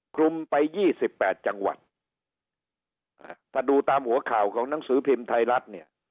คลุมไป๒๘จังหวัดถ้าดูตามหัวข่าวของหนังสือพิมพ์ไทยรัฐ